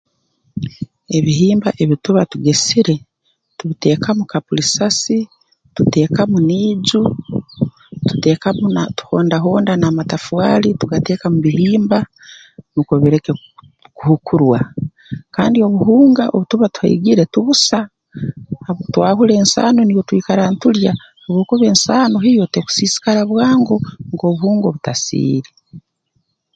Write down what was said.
Ebihimba ebi tuba tugesire tubiteekamu kapulisasi tuteekamu n'iju tuteekamu na tuhondahonda n'amatafaali tugateeka mu bihimba nukwo bireke ku kuhukurwa kandi obuhunga obu tuba tuhaigire tubusa habu twahura ensaano niyo twikara nitulya ensaano hiyo tekusiisikara bwango nk'obuhunga obutasiire